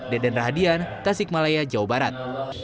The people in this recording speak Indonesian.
deden rahadian tasikmalaya jawa barat